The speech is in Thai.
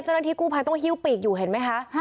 เจ้าหน้าที่กู้ภัยต้องฮิ้วปีกอยู่เห็นไหมคะ